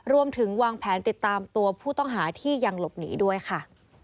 รวมถึงวางแผนติดตามตัวผู้ต้องหาที่ยังหลบหนีด้วยค่ะ